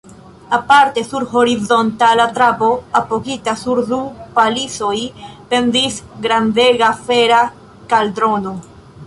Aparte sur horizontala trabo, apogita sur du palisoj, pendis grandega fera kaldrono.